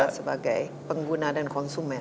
sebagai pengguna dan konsumen